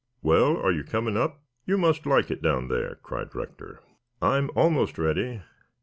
"Well, are you coming up? You must like it down there," cried Rector. "I'm almost ready.